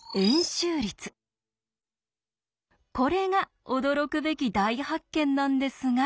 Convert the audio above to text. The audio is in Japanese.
これが驚くべき大発見なんですが。